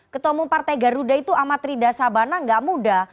ketua umum partai garuda itu amat rida sabana nggak muda